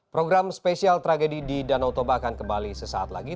program spesial tragedi di danau toba akan kembali sesaat lagi